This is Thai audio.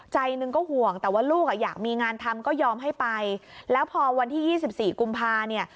ใจหนึ่งก็ห่วงแต่ว่าลูกอ่ะอยากมีงานทำก็ยอมให้ไปแล้วพอวันที่๒๔กุมภาเนี่ย